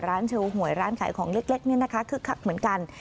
ร้านเชียวหวยร้านขายของเล็กคือคักเหมือนกัน